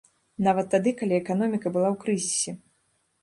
Нават тады, калі эканоміка была ў крызісе.